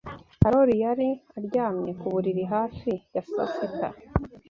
Karoli yari aryamye ku buriri hafi ya saa sita.